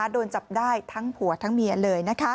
โดนจับได้ทั้งผัวทั้งเมียเลย